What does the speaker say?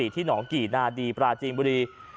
ที่หนองกี่นาดีปราจีนบุรี